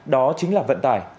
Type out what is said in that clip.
đó chính là vận tải